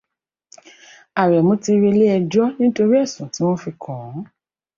Àrẹ̀mú ti relé ẹjọ́ nitorí ẹ̀sùn tí wọ́n fi kàn-án